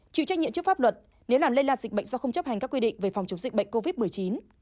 chịu trách nhiệm trước pháp luật nếu làm lây lan dịch bệnh do không chấp hành các quy định về phòng chống dịch bệnh covid một mươi chín